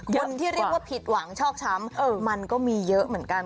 คนที่เรียกว่าผิดหวังชอกช้ำมันก็มีเยอะเหมือนกัน